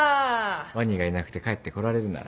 ワニがいなくて帰ってこられるなら。